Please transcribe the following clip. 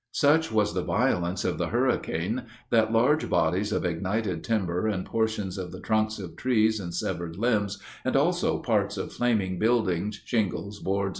"Such was the violence of the hurricane, that large bodies of ignited timber, and portions of the trunks of trees, and severed limbs, and also parts of flaming buildings, shingles, boards, &c.